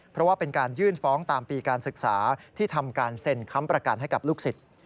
เพราะว่าเป็นการยื่นฟ้องตามปีการศึกษาที่ทำการเซ็นค้ำประกันให้กับลูกศิษย์